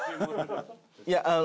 いやあの。